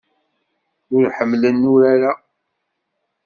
Ur ḥemmlen urar-a.